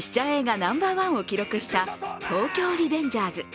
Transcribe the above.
ナンバーワンを記録した「東京リベンジャーズ」。